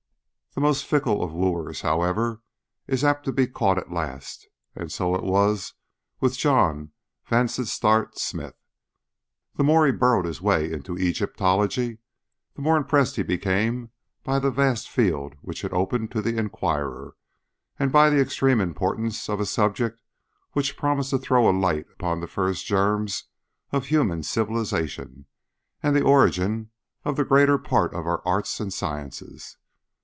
The most fickle of wooers, however, is apt to be caught at last, and so it was with John Vansittart Smith. The more he burrowed his way into Egyptology the more impressed he became by the vast field which it opened to the inquirer, and by the extreme importance of a subject which promised to throw a light upon the first germs of human civilisation and the origin of the greater part of our arts and sciences.